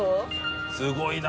すごいな！